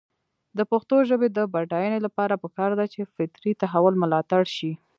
د پښتو ژبې د بډاینې لپاره پکار ده چې فطري تحول ملاتړ شي.